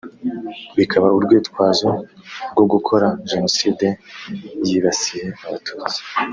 bikaba urwitwazo rwo gukora Jenoside yibasiye Abatutsi